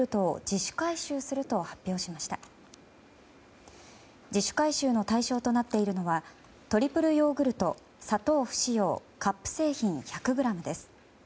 自主回収の対象となっているのはトリプルヨーグルト砂糖不使用カップ製品１００ｇです。